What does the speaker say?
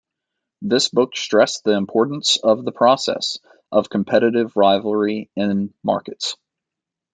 This book stressed the importance of the process of competitive rivalry in markets.